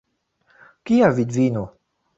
Kia vidvino?